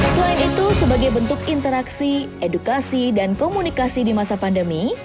selain itu sebagai bentuk interaksi edukasi dan komunikasi di masa pandemi